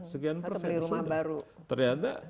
sekian persen atau beli rumah baru ternyata